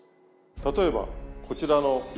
例えばこちらの。